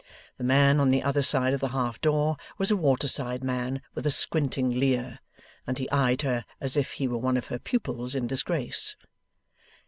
The man on the other side of the half door, was a waterside man with a squinting leer, and he eyed her as if he were one of her pupils in disgrace.